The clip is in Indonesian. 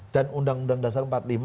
dan undang undang dasar empat puluh lima